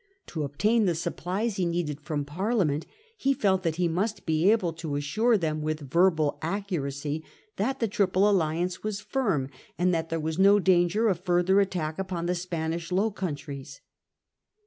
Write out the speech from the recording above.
To obtain the supplies he needed from Parlia ment he felt that he must be able to assure them with verbal accuracy that the Triple Alliance was firm, and that there was no danger of further attack upon the Spanish Low Countries.